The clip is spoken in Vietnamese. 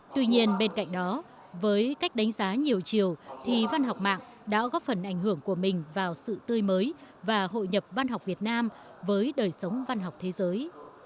tuy nhiên bên cạnh đó với cách đánh giá nhiều chiều thì văn học mạng đã góp phần ảnh hưởng của mình vào sự tươi mới và hội nhập văn học việt nam với đời sống văn học thế giới